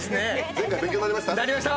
前回勉強になりました？